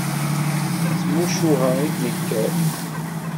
S tmucuha i d-nekker.